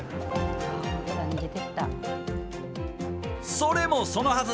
それも、そのはず。